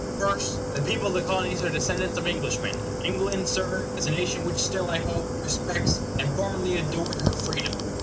First, the people of the Colonies are descendants of Englishmen. England, Sir, is a nation which still, I hope, respects, and formerly adored, her freedom.